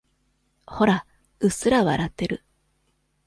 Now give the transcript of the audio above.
ほら、うっすら笑ってる。